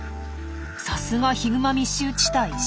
さすがヒグマ密集地帯知床。